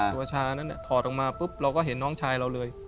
ตัวชานั้นถอดออกมาปุ๊บเราก็เห็นน้องชายเราเลย